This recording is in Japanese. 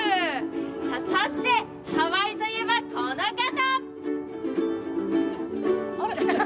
そしてハワイといえば、この方。